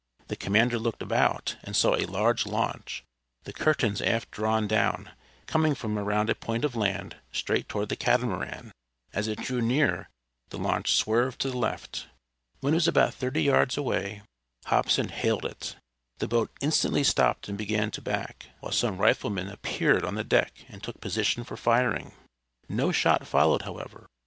The commander looked about, and saw a large launch, the curtains aft drawn down, coming from around a point of land straight toward the catamaran. As it drew near the launch swerved to the left. When it was about thirty yards away Hobson hailed it. The boat instantly stopped and began to back, while some riflemen appeared on the deck and took position for firing. No shot followed, however.